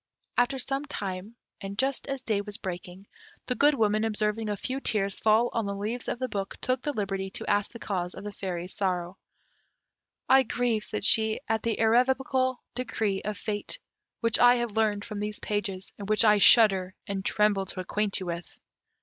After some time, and just as day was breaking, the Good Woman observing a few tears fall on the leaves of the book, took the liberty to ask the cause of the Fairy's sorrow. "I grieve," said she, "at the irrevocable decree of Fate, which I have learned from these pages, and which I shudder and tremble to acquaint you with."